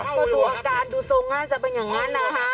ก็ดูอาการดูทรงน่าจะเป็นอย่างนั้นนะฮะ